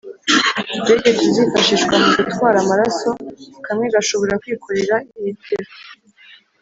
utudege tuzifashishwa mu gutwara amaraso kamwe gashobora kwikorera litiro